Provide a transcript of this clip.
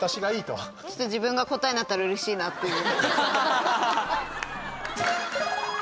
ちょっと自分が答えになったらうれしいなっていう。